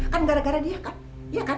kan gara gara dia kan iya kan